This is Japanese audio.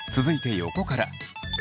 続いて横から。